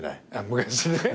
昔ね。